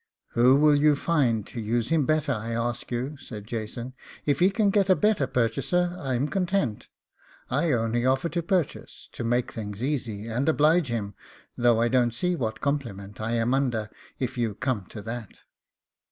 'Who will you find to use him better, I ask you?' said Jason; 'if he can get a better purchaser, I'm content; I only offer to purchase, to make things easy, and oblige him; though I don't see what compliment I am under, if you come to that.